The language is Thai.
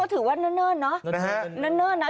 ก็ถือว่าเหนิ่นนะ